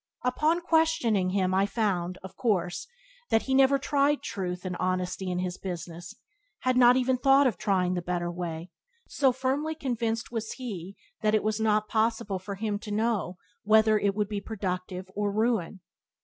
Upon questioning him I found, of course, that he had never tried truth and honesty in his business, had not even thought of trying the better way, so firmly convinced was he that it was not possible for him to know whether or not it would be productive or ruin.